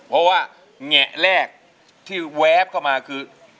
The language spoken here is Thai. เพราะว่าแงะแรกที่แวบเข้ามาคือ